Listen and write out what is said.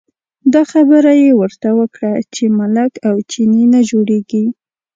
دا خبره یې ورته وکړه چې ملک او چینی نه جوړېږي.